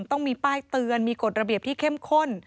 ต้องมีป้ายเตือนมีกฎระเบียบที่เข้มข้น